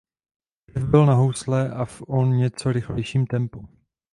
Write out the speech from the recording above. Riff byl na housle a v o něco rychlejším tempu.